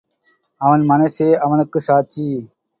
அவன் மனசே அவனுக்குச் சாட்சி.